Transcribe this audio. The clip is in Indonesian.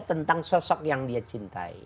tentang sosok yang dia cintai